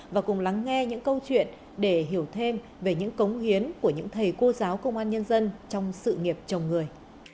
và cùng lắng nghe những câu chuyện để hiểu thêm về những cống hiến của những thầy cô giáo công an nhân dân trong sự nghiệp chồng người